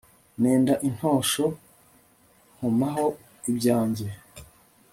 nenda intosho nkomaho ibyanjye